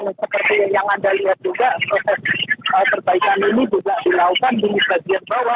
dan seperti yang anda lihat juga proses perbaikan ini juga dilakukan di bagian bawah